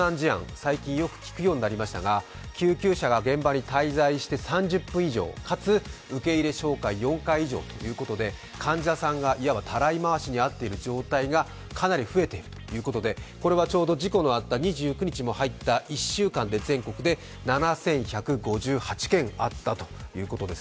最近よく聞くようになりましたが、救急車が現場に滞在して３０分以上、かつ受け入れ照会４回以上ということで、患者さんがいわばたらい回しに遭っている状態がかなり増えているということでこれは、ちょうど事故のあった２９日も入った１週間で全国で７１５８件あったということです。